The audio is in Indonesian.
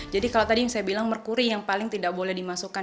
jadi kalau tadi saya bilang merkuri yang paling tidak boleh dimasukkan